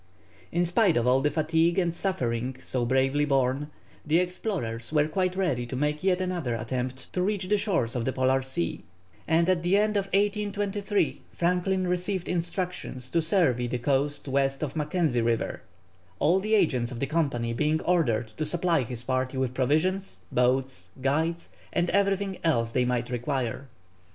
In spite of all the fatigue and suffering so bravely borne, the explorers were quite ready to make yet another attempt to reach the shores of the Polar Sea, and at the end of 1823 Franklin received instructions to survey the coast west of Mackenzie River, all the agents of the Company being ordered to supply his party with provisions, boats, guides, and everything else they might require.